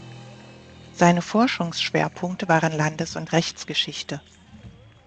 Seine Forschungsschwerpunkte waren Landes- und Rechtsgeschichte.